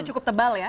itu cukup tebal ya